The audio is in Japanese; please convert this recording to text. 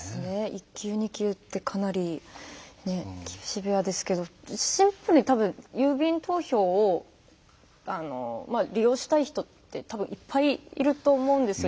１級、２級ってかなり厳しいようですけどシンプルにたぶん郵便投票を利用したい人って多分、いっぱいいると思うんですよ。